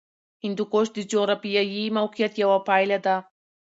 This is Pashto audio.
هندوکش د جغرافیایي موقیعت یوه پایله ده.